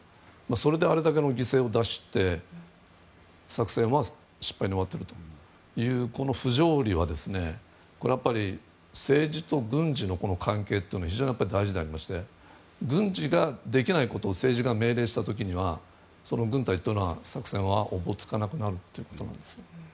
それで、あれだけの犠牲を出して作戦は失敗に終わっているというこの不条理は政治と軍事の関係というのは非常に大事でありまして軍事ができないことを政治が命令した時には軍隊の作戦はおぼつかなくなるということです。